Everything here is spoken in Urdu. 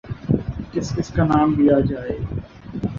کس کس کا نام لیا جائے۔